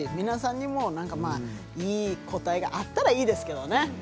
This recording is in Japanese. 皆さんにもいい答えがあったらいいですけれどもね